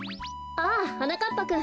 ああはなかっぱくん